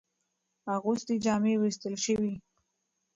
اغوستي جامې ووېستل شوې.